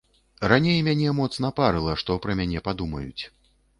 Раней мяне моцна парыла, што пра мяне падумаюць.